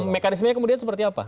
mekanismenya kemudian seperti apa